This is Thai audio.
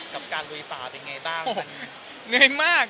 ก่อปรการลุยเปล่าก็ยังไงบ้าง